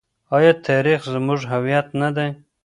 آیا تاریخ زموږ هویت نه دی؟